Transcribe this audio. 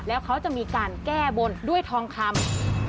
แล้วเขาจะมีการแก้บนด้วยทองคำ